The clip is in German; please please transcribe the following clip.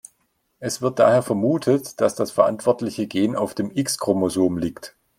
Es wird daher vermutet, dass das verantwortliche Gen auf dem X-Chromosom liegt.